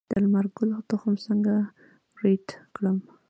د لمر ګل تخم څنګه وریت کړم؟